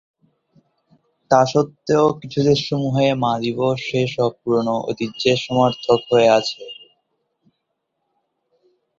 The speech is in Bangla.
তা সত্ত্বেও, কিছু দেশসমূহে মা দিবস সেই সব পুরোনো ঐতিহ্যের সমার্থক হয়ে গেছে।